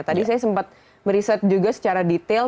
tadi saya sempat meriset juga secara detail